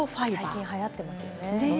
最近はやっていますよね。